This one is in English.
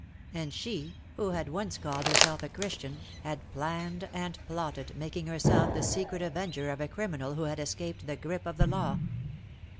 And she, who had once called herself a Christian, had planned and plotted, making herself the secret avenger of a criminal who had escaped the grip of the law.